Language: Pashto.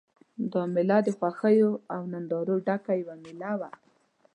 دا مېله د خوښیو او نندارو ډکه یوه مېله وه.